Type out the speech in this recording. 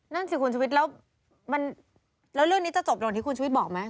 นั่นสิคุณชุวิตแล้วเรื่องนี้จะจบลงอย่างที่คุณชุวิตบอกไหม